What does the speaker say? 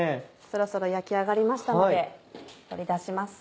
そろそろ焼き上がりましたので取り出します。